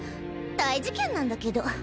大事件なんだけど。